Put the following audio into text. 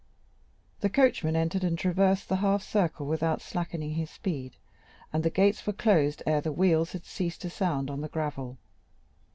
The coachman entered and traversed the half circle without slackening his speed, and the gates were closed ere the wheels had ceased to sound on the gravel.